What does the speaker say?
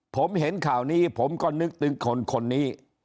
ผมเห็นข่าวนี้ผมก็นึกถึงคนนี้